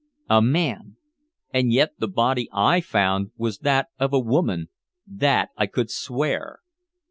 A man! And yet the body I found was that of a woman that I could swear.